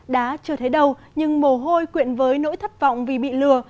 đá chưa thấy đâu nhưng mồ hôi quyện với nỗi thất vọng vì bị lừa